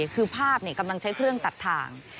คือภาพกำลังใช้เครื่องตัดทาง